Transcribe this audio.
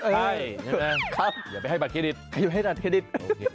ใช่อย่าไปให้บัตรเครดิต